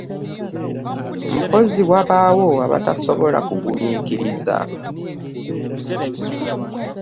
Mpozzi wabaawo abatasobola kuguminkiriza?